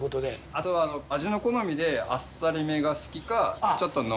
あとは味の好みであっさりめが好きかちょっと濃厚が好きか。